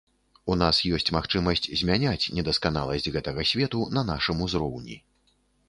У нас ёсць магчымасць змяняць недасканаласць гэтага свету на нашым узроўні.